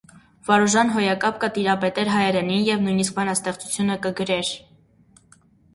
Վարուժան հոյակապ կը տիրապետէր հայերէնին եւ նոյնիսկ բանաստեղծութիւններ կը գրէր։